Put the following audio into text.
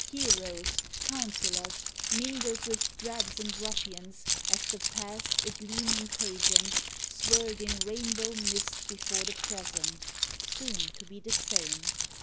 Heroes, councillors, Mingled with drabs and ruffians, as the Past A gleaming pageant, swirled in rainbow mist Before the Present, soon to be the same.